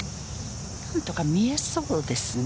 何とか見えそうですね。